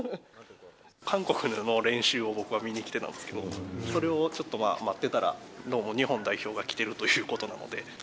韓国の練習を僕は見に来てたんですけど、それをちょっと待ってたら、どうも日本代表が来てるということなので。